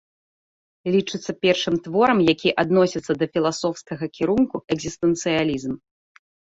Лічыцца першым творам, які адносіцца да філасофскага кірунку экзістэнцыялізм.